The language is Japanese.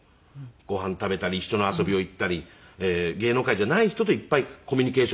ご飯食べたり一緒の遊びを行ったり芸能界じゃない人といっぱいコミュニケーションを取って。